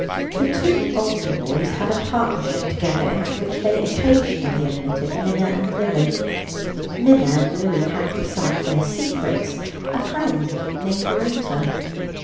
The two older boys had a partnership together, into which they occasionally admitted Minna and Louie. Minna and Louie had, beside their secrets, a friend named Rosa.